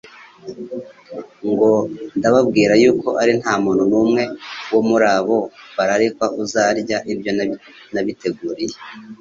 ngo : "Ndababwira yuko ari nta muntu n'umwe wo muri abo bararikwa uzarya ibyo nabiteguriye.""